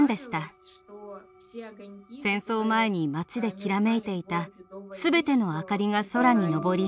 戦争前に町できらめいていたすべての明かりが空に昇り